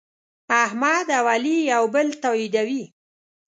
احمد او علي یو بل تأییدوي.